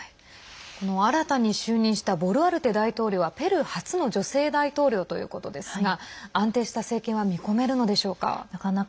この新たに就任したボルアルテ大統領はペルー初の女性大統領ということですが安定した政権は見込めるのでしょうか？